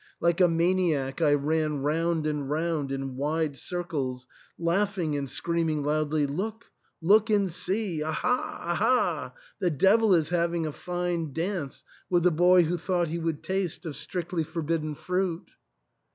Like a maniac I ran round and round in wide circles, laughing and screaming loudly, "Look, look and see. Aha ! Aha ! The devil is having a fine dance with the boy who thought he would taste of strictly for bidden fruit